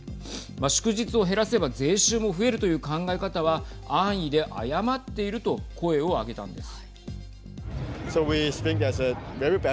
祝日を減らせば税収も増えるという考え方は安易で誤っていると声を上げたんです。